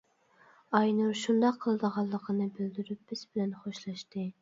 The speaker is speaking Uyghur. ئاينۇر شۇنداق قىلىدىغانلىقىنى بىلدۈرۈپ بىز بىلەن خوشلاشتى.